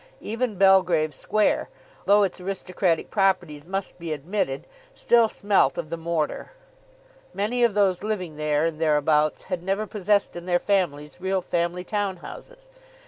Even Belgrave Square, though its aristocratic properties must be admitted, still smelt of the mortar. Many of those living there and thereabouts had never possessed in their families real family town houses.